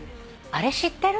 あれ知ってる？